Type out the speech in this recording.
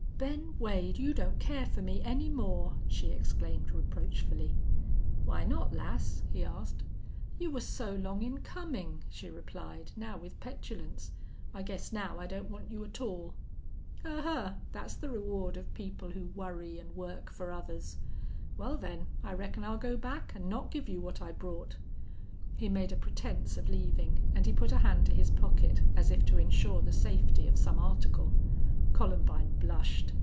"Ben Wade, you don't care for me any more!" she exclaimed, reproachfully. "Why not, lass?" he asked. "You were so long in coming," she replied, now with petulance. "I guess now I don't want you at all." "Ahuh! That's the reward of people who worry an' work for others. Well, then, I reckon I'll go back an' not give you what I brought." He made a pretense of leaving, and he put a hand to his pocket as if to insure the safety of some article. Columbine blushed.